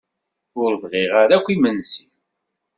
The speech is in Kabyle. Ur bɣiɣ ara akk imensi.